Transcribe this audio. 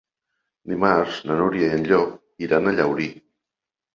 Dimarts na Núria i en Llop iran a Llaurí.